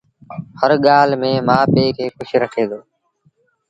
هر ڳآل ميݩ مآ پي کي کُش رکي دو